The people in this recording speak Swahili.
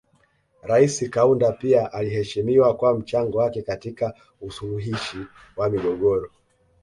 Rais Kaunda pia aliheshimiwa kwa mchango wake katika usuluhishi wa migogoro